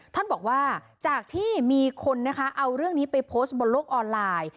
ท่านบอกว่าจากที่มีคนนะคะเอาเรื่องนี้ไปโพสต์บนโลกออนไลน์